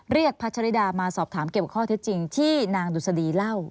เรียกพระชริดามาสอบถามเก็บข้อเท็จจริงที่นางดุษฎีเล่า